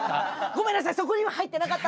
ごめんなさい！